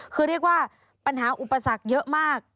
คือเรียกว่าปัญหาอุปสรรคเยอะมาก